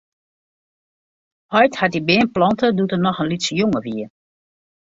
Heit hat dy beam plante doe't er noch in lytse jonge wie.